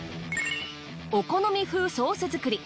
お好み風ソース作り。